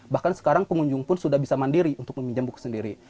bahkan sekarang pengunjung pun sudah bisa mandiri untuk meminjam buku sendiri